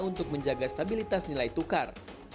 untuk menjaga stabilitas nilai tukar